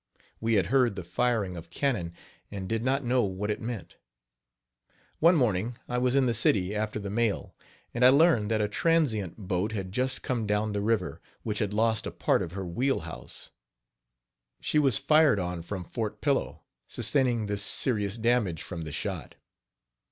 We had heard the firing of cannon, and did not know what it meant. One morning I was in the city after the mail, and I learned that a transient boat had just come down the river, which had lost a part of her wheelhouse. She was fired on from Fort Pillow, sustaining this serious damage from the shot.